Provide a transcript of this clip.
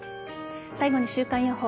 最後に週間予報。